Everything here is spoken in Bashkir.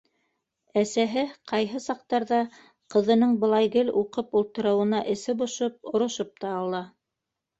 Әсәһе, ҡайһы саҡтарҙа ҡыҙының былай гел уҡып ултырыуына эсе бошоп, орошоп та ала: